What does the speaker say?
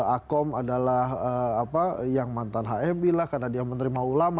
akom adalah apa yang mantan hmi lah karena dia menerima ulama